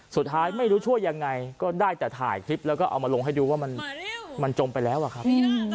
สุดท้ายไม่รู้ช่วยยังไงก็ได้แต่ถ่ายคลิปแล้วก็เอามาลงให้ดูว่ามันจมไปแล้วอะครับ